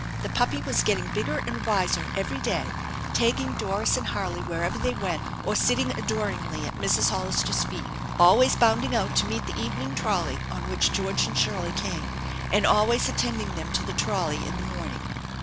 The puppy was getting bigger and wiser every day, tagging Doris and Harley wherever they went, or sitting adoringly at Mrs. Hollister's feet ; always bounding out to meet the evening trolley on which George and Shirley came, and always attend ing them to the trolley in the morning.